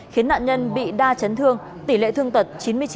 khiến nạn nhân bị đa chấn thương tỷ lệ thương tật chín mươi chín